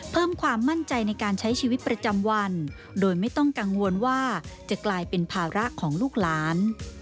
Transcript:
เพิ่มความมั่นใจในการใช้ชีวิตประจำวันโดยไม่ต้องกังวลว่าจะกลายเป็นภาระของลูกหลาน